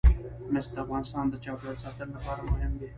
مس د افغانستان د چاپیریال ساتنې لپاره مهم دي.